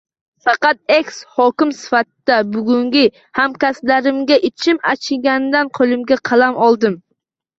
Faqat, eks-hokim sifatida, bugungi hamkasblarimga ichim achiganidan qo`limga qalam oldim